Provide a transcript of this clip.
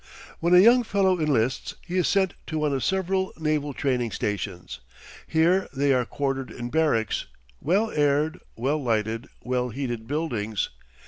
When a young fellow enlists he is sent to one of several naval training stations. Here they are quartered in barracks well aired, well lighted, well heated buildings.